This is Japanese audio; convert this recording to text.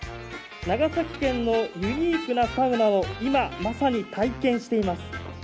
長崎県のユニークなサウナを今、まさに体験しています。